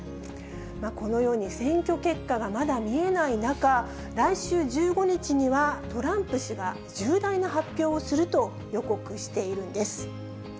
このように、選挙結果がまだ見えない中、来週１５日には、トランプ氏が重大な発表をすると予告しているんです。